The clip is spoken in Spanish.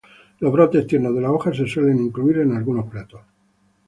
Los brotes tiernos de las hojas se suelen incluir en algunos platos.